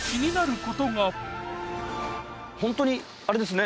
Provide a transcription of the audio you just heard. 君にはホントにあれですね。